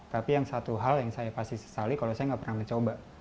tapi yang satu hal yang saya pasti sesali kalau saya nggak pernah mencoba